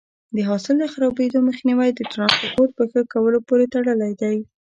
د حاصل د خرابېدو مخنیوی د ټرانسپورټ په ښه کولو پورې تړلی دی.